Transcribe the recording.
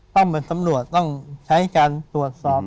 ต้องเป็นตำรวจต้องใช้การตรวจสอบ